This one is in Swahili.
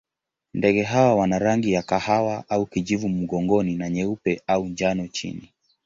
Ndege hawa wana rangi ya kahawa au kijivu mgongoni na nyeupe au njano chini.